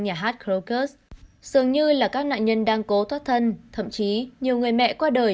nhà hát krokus dường như là các nạn nhân đang cố thoát thân thậm chí nhiều người mẹ qua đời